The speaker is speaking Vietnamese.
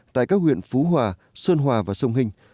tại các huyện phú hòa sơn hòa và sông hình